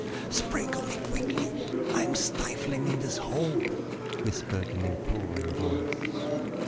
"Sprinkle me quickly; I am stifling in this hole," whispered an imploring voice.